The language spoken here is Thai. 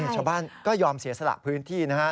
ชาวบ้านก็ยอมเสียสละพื้นที่นะฮะ